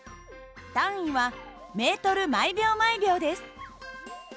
単位はｍ／ｓです。